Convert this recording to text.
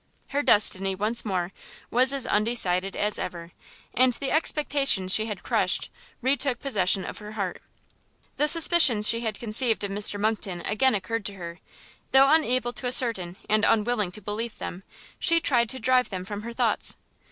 Her destiny, once more, was as undecided as ever, and the expectations she had crushed, retook possession of her heart. The suspicions she had conceived of Mr Monckton again occurred to her; though unable to ascertain and unwilling to believe them, she tried to drive them from her thoughts.